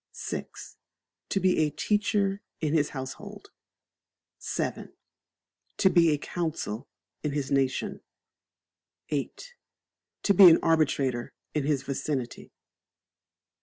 vi. To be a teacher in his household. vii. To be a council in his nation. viii. To be an arbitrator in his vicinity.